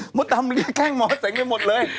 หมอตำเรียกแข้งหมอเส็งไม่หมดเลย